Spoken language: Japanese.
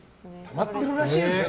たまってるらしいですよ